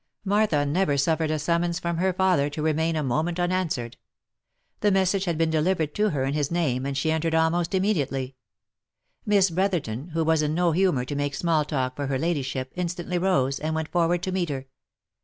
Martha never suffered a summons from her father to remain a mo OF MICHAEL ARMSTRONG. 171 ment unanswered. The message had been delivered to her in his name, and she entered almost immediately. Miss Brotherton, who was in no humour to make small talk for her ladyship, instantly rose, and went forward to meet her.